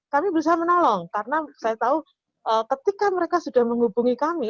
kami berusaha menolong karena saya tahu ketika mereka sudah menghubungi kami